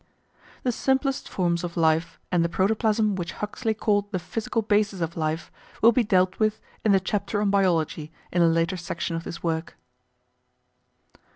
The simplest forms of life and the protoplasm which Huxley called the physical basis of life will be dealt with in the chapter on Biology in a later section of this work.